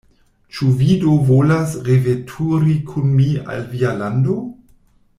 Ĉu vi do volas reveturi kun mi al via lando?